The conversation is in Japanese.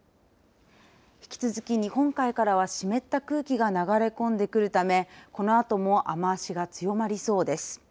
引き続き、日本海からは湿った空気が流れ込んでくるためこのあとも雨足が強まりそうです。